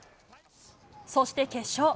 そして決勝。